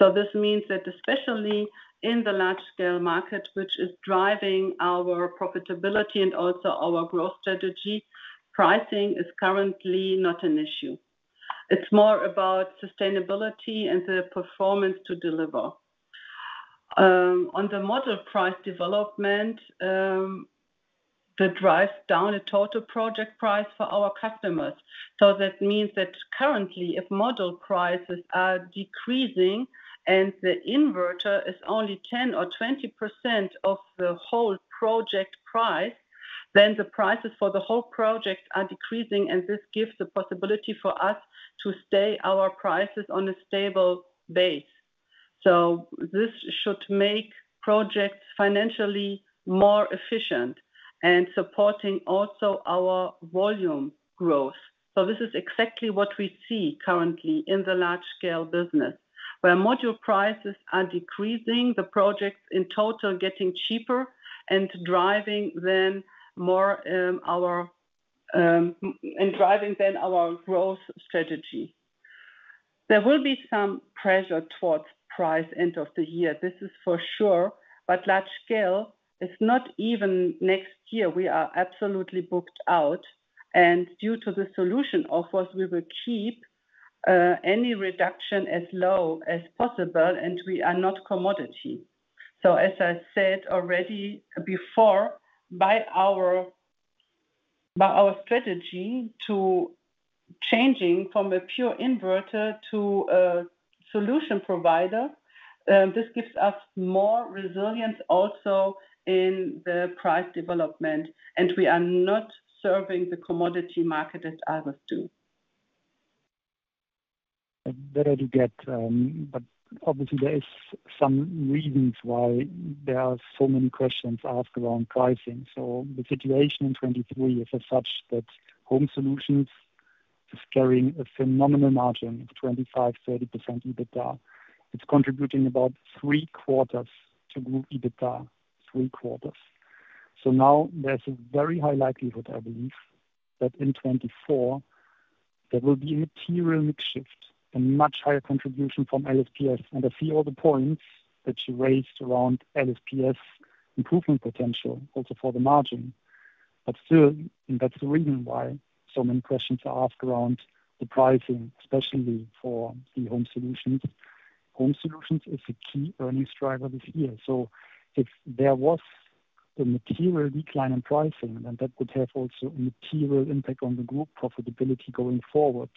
This means that, especially in the Large Scale market, which is driving our profitability and also our growth strategy, pricing is currently not an issue. It's more about sustainability and the performance to deliver. On the module price development, that drives down a total project price for our customers. That means that currently, if module prices are decreasing and the inverter is only 10% or 20% of the whole project price, then the prices for the whole project are decreasing, and this gives the possibility for us to stay our prices on a stable base. This should make projects financially more efficient and supporting also our volume growth. This is exactly what we see currently in the Large Scale business, where module prices are decreasing, the projects in total getting cheaper and driving then our growth strategy. There will be some pressure towards price end of the year. This is for sure, but Large Scale is not even next year. We are absolutely booked out, and due to the solution offers, we will keep any reduction as low as possible, and we are not commodity. As I said already before, by our strategy to changing from a pure inverter to a solution provider, this gives us more resilience also in the price development, and we are not serving the commodity market as others do. That I do get, obviously, there is some reasons why there are so many questions asked around pricing. The situation in 2023 is as such that Home Solutions is carrying a phenomenal margin of 25%-30% EBITDA. It's contributing about three quarters to group EBITDA, three quarters. Now there's a very high likelihood, I believe, that in 2024 there will be a material mix shift and much higher contribution from LSPS, and I see all the points that you raised around LSPS improvement potential also for the margin. Still, that's the reason why so many questions are asked around the pricing, especially for the Home Solutions. Home Solutions is a key earnings driver this year, if there was a material decline in pricing, then that would have also a material impact on the group profitability going forward.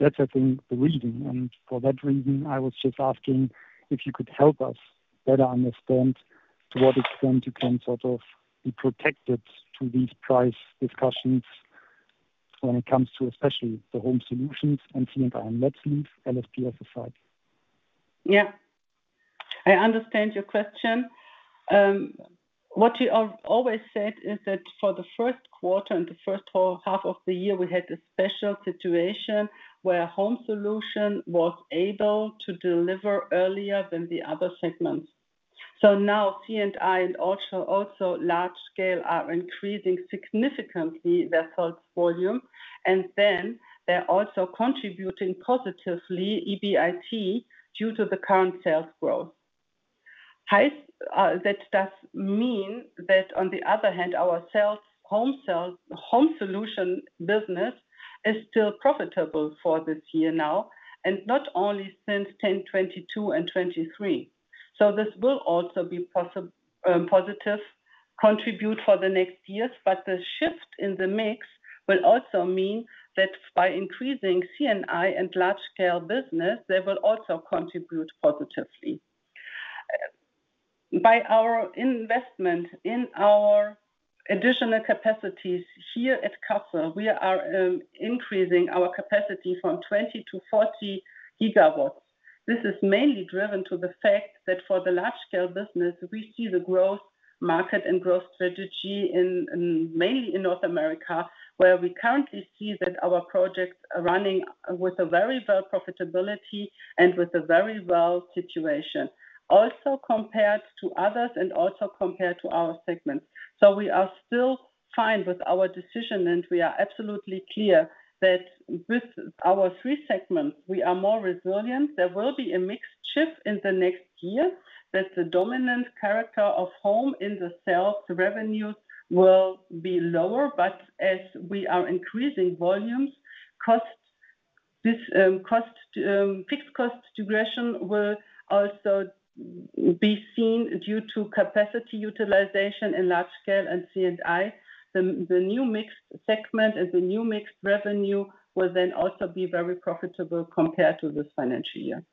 That's, I think, the reason, and for that reason, I was just asking if you could help us better understand to what extent you can sort of be protected to these price discussions when it comes to especially the Home Solutions and C&I. Let's leave LSPS aside. Yeah, I understand your question. What you have always said is that for the first quarter and the first whole half of the year, we had a special situation where Home Solutions was able to deliver earlier than the other segments. Now C&I and also, also Large Scale are increasing significantly their sales volume, they're also contributing positively EBIT due to the current sales growth. High, that does mean that on the other hand, our sales, Home Sales, Home Solutions business is still profitable for this year now, and not only since 10, 2022, and 2023. This will also be positive contribute for the next years, but the shift in the mix will also mean that by increasing C&I and Large Scale business, they will also contribute positively. By our investment in our additional capacities here at Kassel, we are increasing our capacity from 20 to 40 gigawatts. This is mainly driven to the fact that for the Large Scale business, we see the growth market and growth strategy in, in mainly in North America, where we currently see that our projects are running with a very well profitability and with a very well situation, also compared to others and also compared to our segments. We are still fine with our decision, and we are absolutely clear that with our 3 segments, we are more resilient. There will be a mix shift in the next year, that the dominant character of Home in the sales revenue will be lower, but as we are increasing volumes, costs, this cost fixed cost regression will also be seen due to capacity utilization in Large Scale and C&I. The new mixed segment and the new mixed revenue will then also be very profitable compared to this financial year.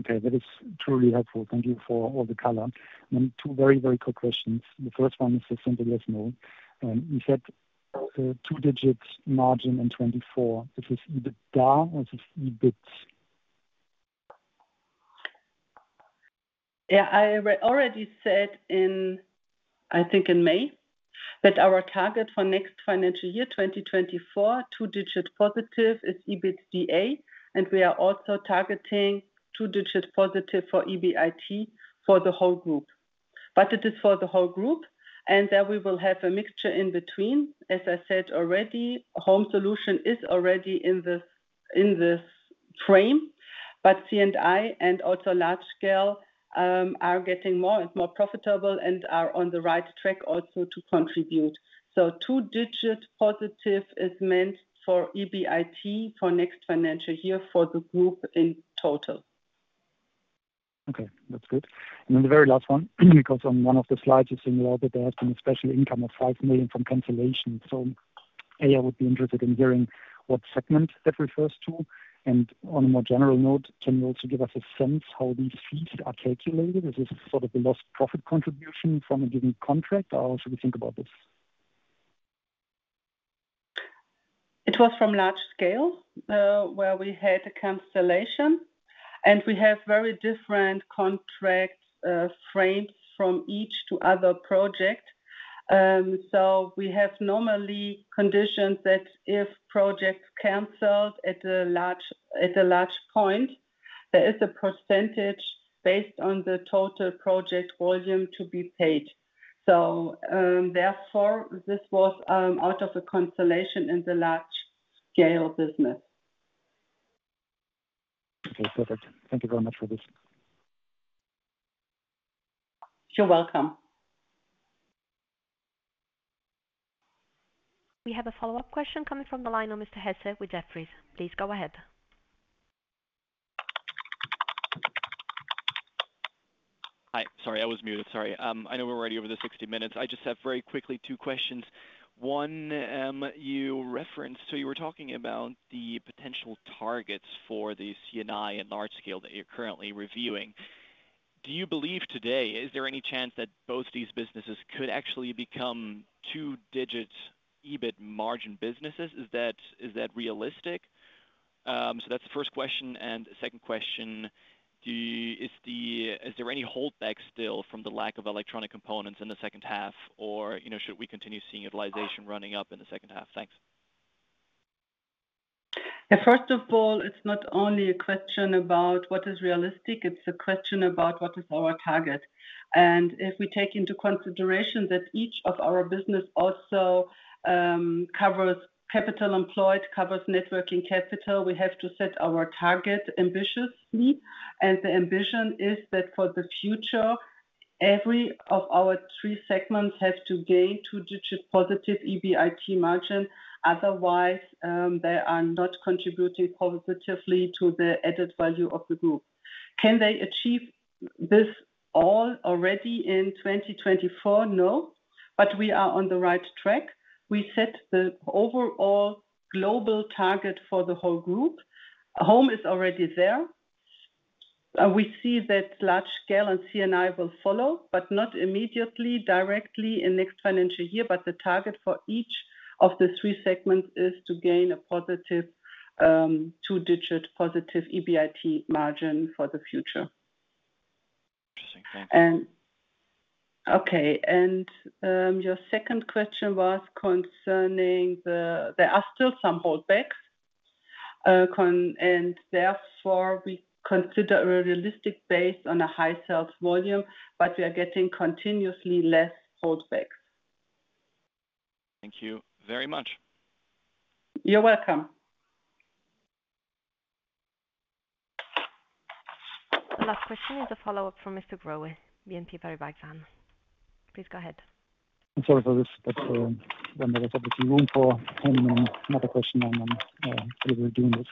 Okay, that is truly helpful. Thank you for all the color. Two very, very quick questions. The first one is as simple as known. You said two-digit margin in 2024. It is EBITDA, or is it EBIT? Yeah, I already said in, I think in May, that our target for next financial year, 2024, two-digit positive is EBITDA. We are also targeting two-digit positive for EBIT for the whole group. It is for the whole group, and then we will have a mixture in between. As I said already, Home Solutions is already in this, in this frame, but C&I and also Large Scale are getting more and more profitable and are on the right track also to contribute. two-digit positive is meant for EBIT for next financial year for the group in total. Okay, that is good. Then the very last one, because on one of the slides, you signal that there has been a special income of 5 million from cancellation. A, I would be interested in hearing what segment that refers to, and on a more general note, can you also give us a sense how these fees are calculated? Is this sort of a lost profit contribution from a given contract, or how should we think about this? It was from Large Scale, where we had a cancellation. We have very different contracts, frames from each to other project. We have normally conditions that if project canceled at a large, at a large point, there is a percentage based on the total project volume to be paid. Therefore, this was out of a cancellation in the Large Scale business. Okay, perfect. Thank you very much for this. You're welcome. We have a follow-up question coming from the line of Mr. Hesse with Jefferies. Please go ahead. Hi. Sorry, I was muted. Sorry. I know we're already over the 60 minutes. I just have very quickly two questions. One, you referenced, so you were talking about the potential targets for the C&I and Large Scale that you're currently reviewing. Do you believe today, is there any chance that both these businesses could actually become two-digit EBIT margin businesses? Is that, is that realistic? That's the first question, and the second question: Is there any holdback still from the lack of electronic components in the second half? You know, should we continue seeing utilization running up in the second half? Thanks. Yeah, first of all, it's not only a question about what is realistic, it's a question about what is our target. If we take into consideration that each of our business also covers capital employed, covers net working capital, we have to set our target ambitiously. The ambition is that for the future, every of our three segments have to gain two-digit positive EBIT margin, otherwise, they are not contributing positively to the added value of the group. Can they achieve this all already in 2024? No, but we are on the right track. We set the overall global target for the whole group. Home is already there. We see that Large Scale and C&I will follow, but not immediately, directly in next financial year, but the target for each of the three segments is to gain a positive, two-digit positive EBIT margin for the future. Interesting. Thank you. Okay, and your second question was concerning the, there are still some holdbacks, and therefore, we consider a realistic base on a high sales volume, but we are getting continuously less holdbacks. Thank you very much. You're welcome. The last question is a follow-up from Martin Wilkie, BNP Paribas Exane. Please go ahead. I'm sorry for this, when there is obviously room for any another question, we're doing this.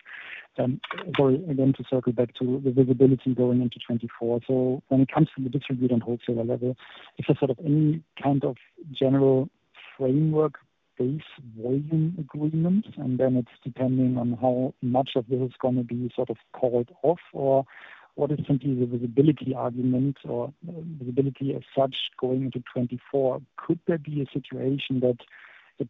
Sorry, again, to circle back to the visibility going into 2024. When it comes to the distributor and wholesaler level, is there sort of any kind of general framework-based volume agreements? Then it's depending on how much of this is gonna be sort of called off, or what is simply the visibility argument or visibility as such going into 2024? Could there be a situation that it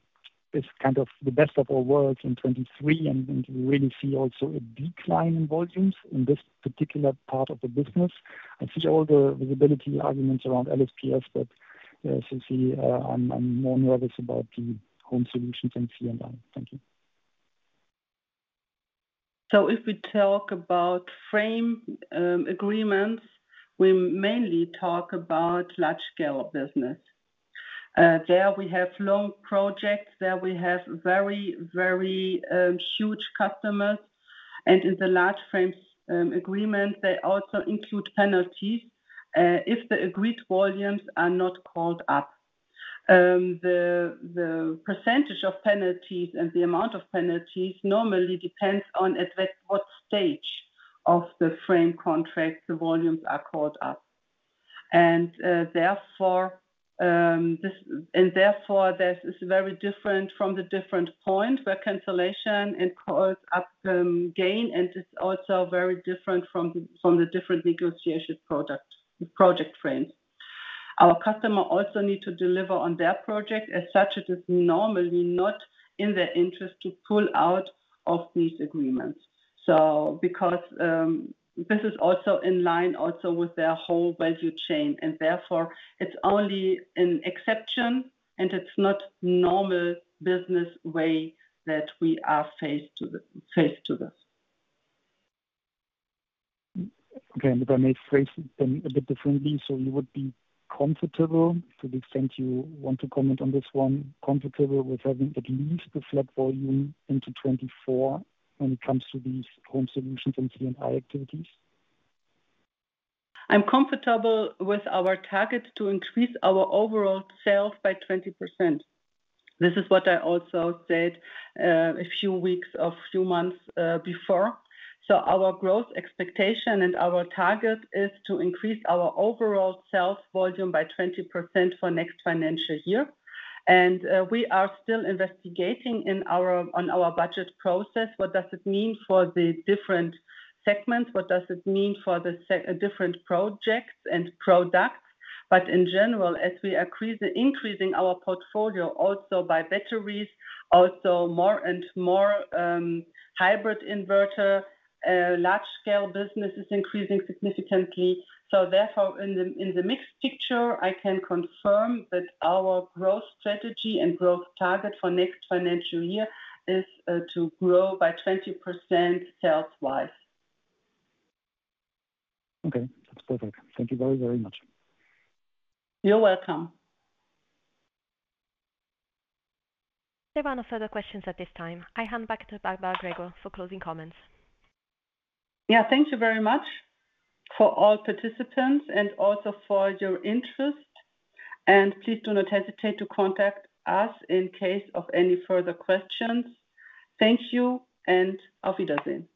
is kind of the best of all worlds in 2023, and we really see also a decline in volumes in this particular part of the business? I see all the visibility arguments around LSPS, since we, I'm, I'm more nervous about the Home Solutions and C&I. Thank you. If we talk about frame agreements, we mainly talk about large-scale business. There we have long projects, there we have very, very huge customers, and in the large frames agreement, they also include penalties if the agreed volumes are not called up. The % of penalties and the amount of penalties normally depends on at what stage of the frame contract the volumes are called up. Therefore, and therefore, this is very different from the different point where cancellation and calls up gain, and it's also very different from the different negotiation product, project frames. Our customer also need to deliver on their project. As such, it is normally not in their interest to pull out of these agreements. Because this is also in line also with their whole value chain, and therefore it's only an exception, and it's not normal business way that we are faced to the, faced to this. Okay, if I may phrase them a bit differently, you would be comfortable to the extent you want to comment on this one, comfortable with having at least a flat volume into 2024 when it comes to these Home Solutions and C&I activities? I'm comfortable with our target to increase our overall sales by 20%. This is what I also said, a few weeks or few months, before. Our growth expectation and our target is to increase our overall sales volume by 20% for next financial year. We are still investigating on our budget process, what does it mean for the different segments? What does it mean for the different projects and products? In general, as we increase, increasing our portfolio also by batteries, also more and more, hybrid inverter, large-scale business is increasing significantly. Therefore, in the mixed picture, I can confirm that our growth strategy and growth target for next financial year is, to grow by 20% sales wise. Okay, that's perfect. Thank you very, very much. You're welcome. There are no further questions at this time. I hand back to Barbara Gregor for closing comments. Yeah, thank you very much for all participants and also for your interest, and please do not hesitate to contact us in case of any further questions. Thank you and auf Wiedersehen.